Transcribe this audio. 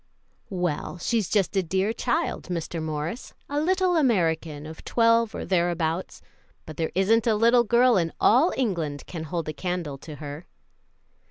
"Well, she's just a dear child, Mr. Morris a little American of twelve or thereabouts but there isn't a little girl in all England can hold a candle to her."